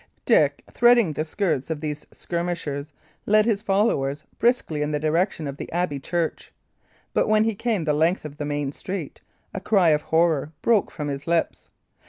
Dick, threading the skirts of these skirmishers, led his followers briskly in the direction of the abbey church; but when he came the length of the main street, a cry of horror broke from his lips.